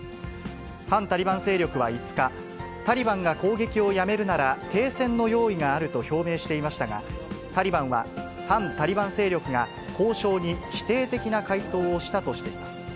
反タリバン勢力は５日、タリバンが攻撃をやめるなら停戦の用意があると表明していましたが、タリバンは反タリバン勢力が交渉に否定的な回答をしたとしています。